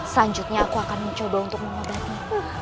selanjutnya aku akan mencoba untuk mengobati